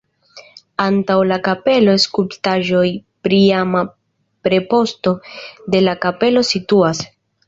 Antaŭ la kapelo skulptaĵo pri iama preposto de la kapelo situas.